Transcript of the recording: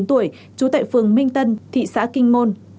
trú tại phường minh tân thị xã kinh môn